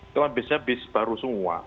itu habisnya bis baru semua